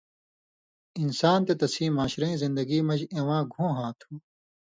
انسان تے تسیں معاشرَیں زندگی مژ اِواں گُھوں ہا تُھو۔